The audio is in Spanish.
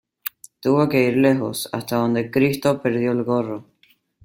Tuvo que ir lejos, hasta donde Cristo perdió el gorro